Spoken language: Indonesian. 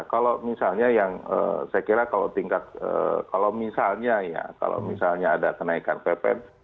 kalau misalnya yang saya kira kalau tingkat kalau misalnya ya kalau misalnya ada kenaikan ppn